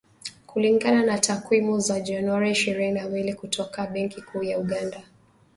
Kulingana na takwimu za Januari ishirini na mbili kutoka Benki Kuu ya Uganda